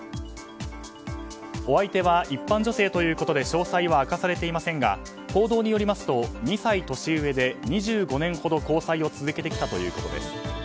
お相手は、一般女性ということで詳細は明かされていませんが報道によりますと２歳年上で、２５年ほど交際を続けてきたということです。